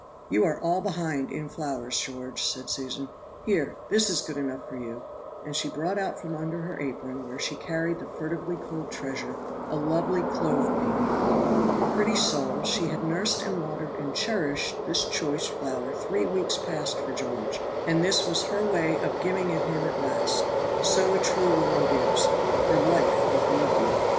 "You are all behind in flowers, George," said Susan; "here, this is good enough for you," and she brought out from under her apron, where she had carried the furtively culled treasure, a lovely clove pink. Pretty soul, she had nursed and watered and cherished this choice flower this three weeks past for George, and this was her way of giving it him at last; so a true woman gives (her life, if need be).